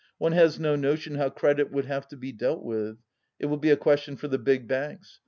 " One has no notion how credit would have to be dealt with. It will be a question for the big banks.